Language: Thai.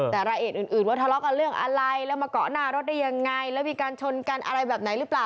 แต่รายละเอียดอื่นว่าทะเลาะกันเรื่องอะไรแล้วมาเกาะหน้ารถได้ยังไงแล้วมีการชนกันอะไรแบบไหนหรือเปล่า